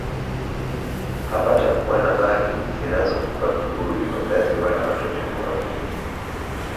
hapatakuwa na mali zinazokupa kiburi wazazi wala watoto unaojivunia